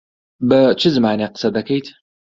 بە چ زمانێک قسە دەکەیت؟